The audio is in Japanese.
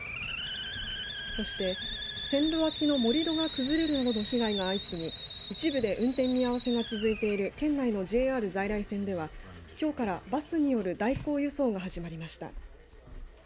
そして線路脇の盛り土が崩れるなどの被害が相次ぎ一部で運転見合わせが続いている県内のＪＲ在来線ではきょうからバスによる代行輸送が始まりました。